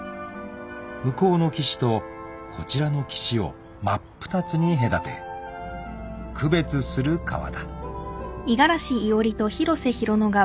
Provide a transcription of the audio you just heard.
［向こうの岸とこちらの岸を真っ二つに隔て区別する川だ］